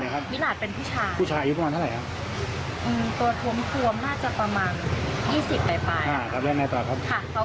และทีนี้ผู้หญิงก็ขับรถมาตรงนี้เลยครับ